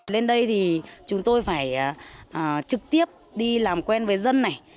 lên đây thì chúng tôi phải trực tiếp đi làm quen với dân này